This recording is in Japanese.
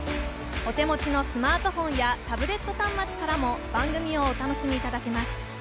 お手持ちのスマートフォンやタブレット端末からも番組をお楽しみいただけます。